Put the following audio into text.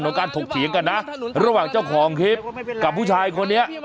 การถกเถียงกันนะระหว่างเจ้าของคลิปกับผู้ชายคนนี้